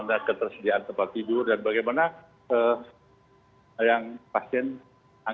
jadi untuk diketahui bersama